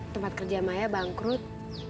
tempat kerja maya bangkrut